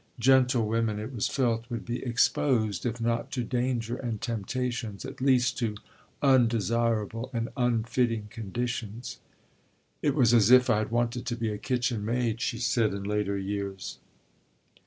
Gentlewomen, it was felt, would be exposed, if not to danger and temptations, at least to undesirable and unfitting conditions. "It was as if I had wanted to be a kitchen maid," she said in later years.